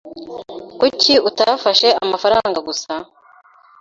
Kuki utafashe amafaranga gusa?